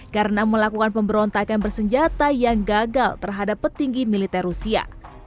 karena melakukan pemberontakan bersenjata yang gagal terhadap petinggi militer rusia